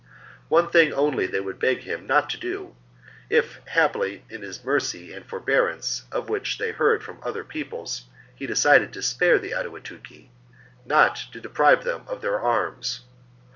One thing only they would beg him not to do — if haply in his mercy and forbearance, of which they heard from other peoples, he had decided to spare the Aduatuci — not to deprive them of their arms.